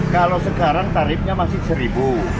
kalau sekarang tarifnya masih seribu